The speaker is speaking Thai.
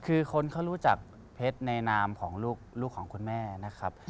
คือคนเขารู้จักเพชรในนามของลูกของคุณแม่นะครับ